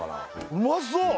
うまそう！